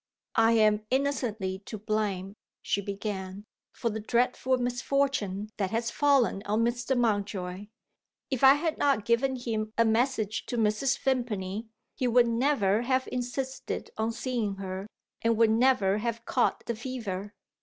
"I am innocently to blame," she began, "for the dreadful misfortune that has fallen on Mr. Mountjoy. If I had not given him a message to Mrs. Vimpany, he would never have insisted on seeing her, and would never have caught the fever.